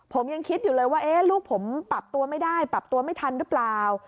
ผมยังคิดอยู่เลยว่าลูกผมปรับตัวไม่ได้ปรับตัวไม่ทันหรือเปล่า